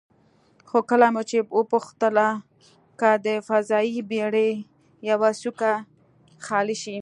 خو کله مو چې وپوښتله که د فضايي بېړۍ یوه څوکۍ خالي شي،